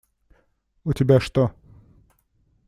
У тебя что?